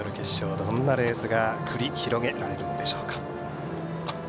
どんなレースが繰り広げられるんでしょうか。